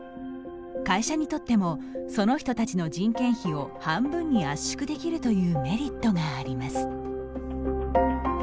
会社にとってもその人たちの人件費を半分に圧縮できるというメリットがあります。